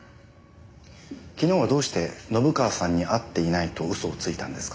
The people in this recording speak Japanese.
昨日はどうして信川さんに会っていないと嘘をついたんですか？